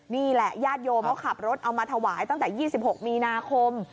นี่แหละญาติโยมเขาขับรถเอามาถวายตั้งแต่๒๖มีนาคม